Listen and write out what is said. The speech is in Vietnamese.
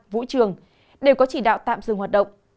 vũ trường đều có chỉ đạo tạm dừng hoạt động